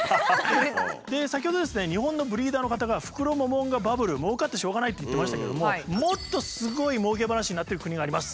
先ほどですね日本のブリーダーの方がフクロモモンガバブルもうかってしょうがないって言ってましたけどももっとすごいもうけ話になってる国があります。